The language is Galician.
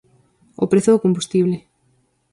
O prezo do combustible.